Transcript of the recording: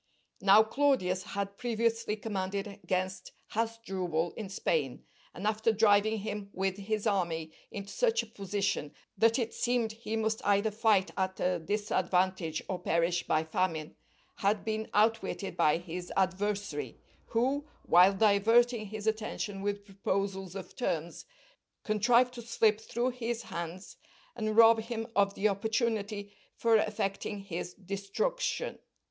Now Claudius had previously commanded against Hasdrubal in Spain, and after driving him with his army into such a position that it seemed he must either fight at a disadvantage or perish by famine, had been outwitted by his adversary, who, while diverting his attention with proposals of terms, contrived to slip through his hands and rob him of the opportunity for effecting his destruction.